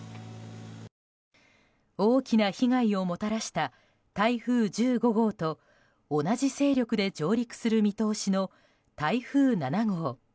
大きな被害をもたらした台風１５号と同じ勢力で上陸する見通しの台風７号。